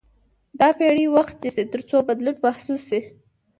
دا پېړۍ وخت نیسي تر څو بدلون محسوس شي.